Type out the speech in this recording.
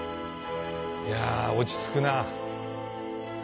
いや落ち着くな。